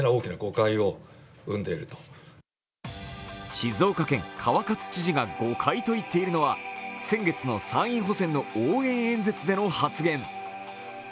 静岡県、川勝知事が誤解と言っているのが先月の参院補選の応援演説での発言。